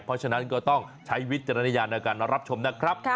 เพราะฉะนั้นก็ต้องใช้วิจารณญาณในการรับชมนะครับ